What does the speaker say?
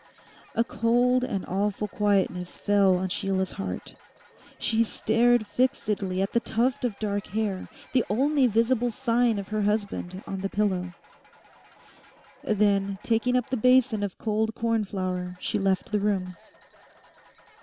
A cold and awful quietness fell on Sheila's heart. She stared fixedly at the tuft of dark hair, the only visible sign of her husband, on the pillow. Then, taking up the basin of cold cornflour, she left the room.